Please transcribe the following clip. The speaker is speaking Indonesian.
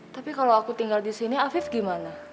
tapi kalau aku tinggal disini afif gimana